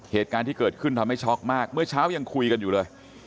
เหตุการณ์ที่เกิดขึ้นทำให้ช็อกมากเมื่อเช้ายังคุยกันอยู่เลย